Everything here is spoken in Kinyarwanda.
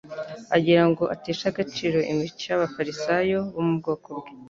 agira ngo ateshe agaciro imico y’Abafarisayo bo mu bwoko bwe